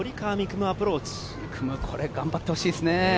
夢はこれ、頑張ってほしいですね。